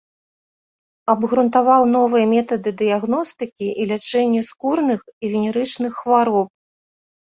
Абгрунтаваў новыя метады дыягностыкі і лячэння скурных і венерычных хвароб.